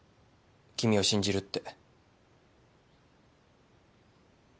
君を信じるって。